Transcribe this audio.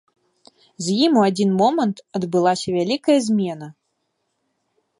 З ім у адзін момант адбылася вялікая змена.